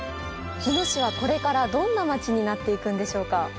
日野市はこれからどんなまちになっていくんでしょうか